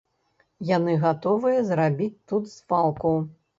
Яны гатовыя зрабіць тут звалку.